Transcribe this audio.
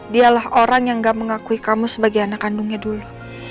dialah orang yang gak mengakui kamu sebagai anak kandungnya dulu